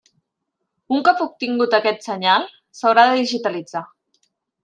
Un cop obtingut aquest senyal, s'haurà de digitalitzar.